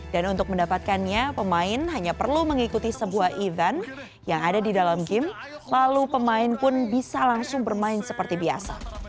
dan untuk mendapatkannya pemain hanya perlu mengikuti sebuah event yang ada di dalam game lalu pemain pun bisa langsung bermain seperti biasa